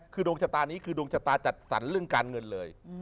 คือดวงชะตานี้คือดวงชะตาจัดสรรเรื่องการเงินเลย